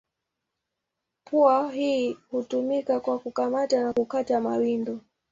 Pua hii hutumika kwa kukamata na kukata mawindo.